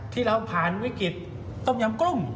ที่เราผ่านวิกฤตต้มยำกุ้ง